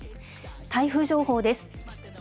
台風情報です。